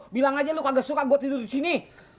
bilang aja lu kagak suka gue tidur disini